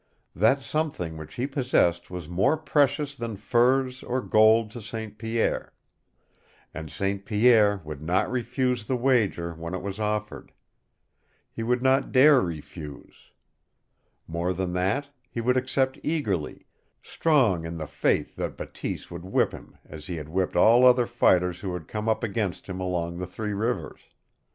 That something which he possessed was more precious than furs or gold to St. Pierre, and St. Pierre would not refuse the wager when it was offered. He would not dare refuse. More than that, he would accept eagerly, strong in the faith that Bateese would whip him as he had whipped all other fighters who had come up against him along the Three Rivers.